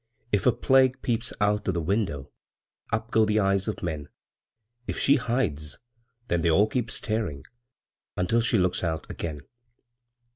If a Plague peeps out of the window, Up go the eyes of men; If she hides, then they all keep staring Until she looks out again.